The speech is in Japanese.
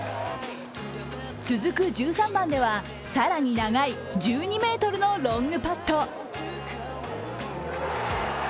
続く１３番では、更に長い１２ｍのロングパット。